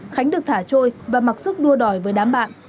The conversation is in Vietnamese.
khánh được thả trôi và mặc sức đua đòi với đám bạn